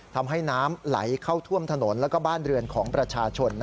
ทำให้น้ำไหลเข้าท่วมถนนและบ้านเรือนของประชาชน